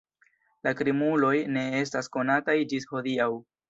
La krimuloj ne estas konataj ĝis hodiaŭ.